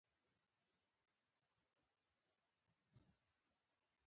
خدای مې دې غاړه نه بندوي.